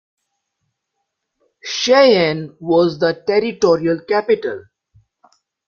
Cheyenne was the territorial capital.